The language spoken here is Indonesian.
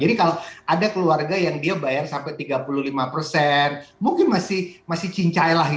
jadi kalau ada keluarga yang dia bayar sampai tiga puluh lima mungkin masih cincai lah